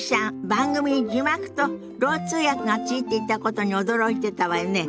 番組に字幕とろう通訳がついていたことに驚いてたわよね。